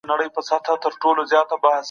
اګوست کنت د کوم هېواد اوسېدونکی و؟